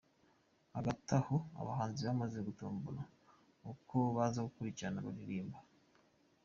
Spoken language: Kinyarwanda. Hagati aho abahanzi bamaze gutombora uko baza gukurikirana baririmba.